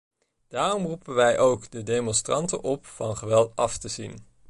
Daarom roepen wij ook de demonstranten op van geweld af te zien.